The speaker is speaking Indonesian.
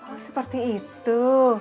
oh seperti itu